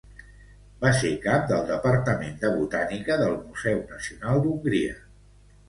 Va ser cap del Departament de botànica del Museu Nacional d'Hongria.